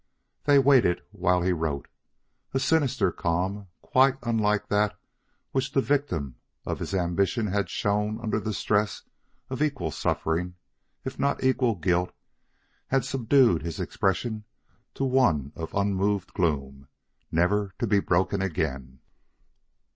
They waited while he wrote. A sinister calm quite unlike that which the victim of his ambition had shown under the stress of equal suffering if not equal guilt had subdued his expression to one of unmoved gloom, never to be broken again.